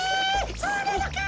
そうなのか！